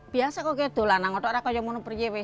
biasa kalau ada dolanan kalau ada yang mau berjaya